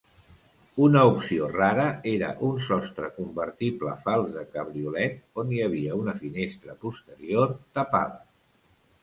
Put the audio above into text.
Una opció rara era un sostre convertible fals de Cabriolet, on hi havia una finestra posterior tapada.